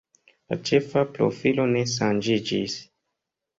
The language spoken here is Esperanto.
La ĉefa profilo ne ŝanĝiĝis.